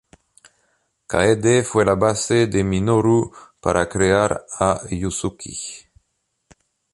Kaede fue la base de Minoru para crear a Yuzuki.